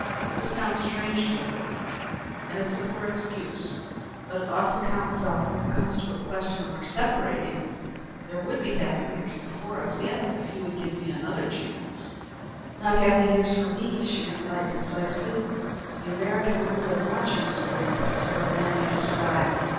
This sounds strange to a woman, and it's a poor excuse. But it ought to count, Selma, when it comes to a question of our separating. There would be happy years before us yet if you give me another chance." "Not happy years for me," she replied concisely. "The American woman does not choose to live with the sort of man you describe.